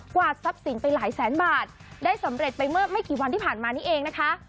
วาดทรัพย์สินไปหลายแสนบาทได้สำเร็จไปเมื่อไม่กี่วันที่ผ่านมานี้เองนะคะ